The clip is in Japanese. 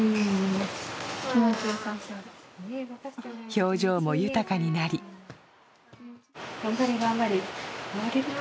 表情も豊かになり頑張れ、頑張れ。